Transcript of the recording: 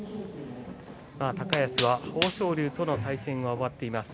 高安は豊昇龍との対戦は終わっています。